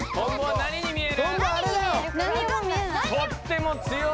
何に見える？